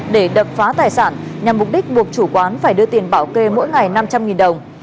để đập phá tài sản nhằm mục đích buộc chủ quán phải đưa tiền bảo kê mỗi ngày năm trăm linh đồng